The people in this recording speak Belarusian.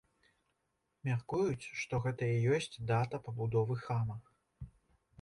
Мяркуюць, што гэта і ёсць дата пабудовы храма.